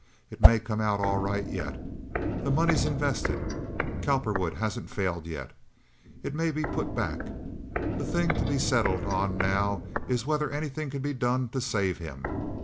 It may all come out all right yet. The money's invested. Cowperwood hasn't failed yet. It may be put back. The thing to be settled on now is whether anything can be done to save him.